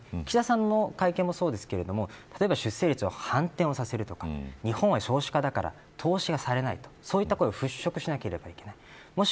岸田さんの会見もそうですが出生率を反転させるとか日本は少子化だから投資がされないそういうことを払しょくしなければいけない。